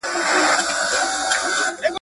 جت مي تک تور، نې عېب سته نه پېغور.